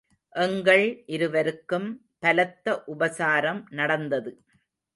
எங்கள் இருவருக்கும் பலத்த உபசாரம் நடந்தது.